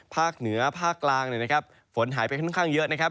ภาคเหนือภาคกลางฝนหายไปค่อนข้างเยอะนะครับ